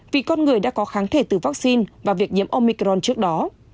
vì con người đã có kháng thể từ vaccine và việc nhiễm omicron trước đó